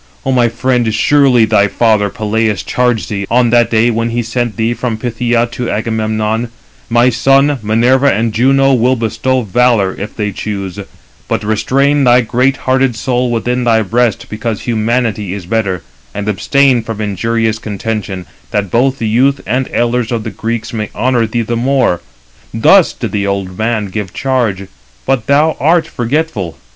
O my friend, surely thy father Peleus charged thee, on that day when he sent thee from Phthia to Agamemnon, 'My son, Minerva and Juno will bestow valour, if they choose; but restrain thy great hearted soul within thy breast, because humanity is better; and abstain from injurious contention, that both the youth and elders of the Greeks may honour thee the more.' Thus did the old man give charge, but thou art forgetful.